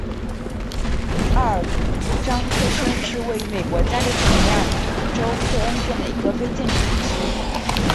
奥尔章克申是位于美国加利福尼亚州克恩县的一个非建制地区。